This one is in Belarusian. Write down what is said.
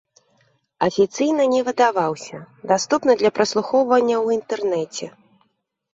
Афіцыйна не выдаваўся, даступны для праслухоўвання ў інтэрнэце.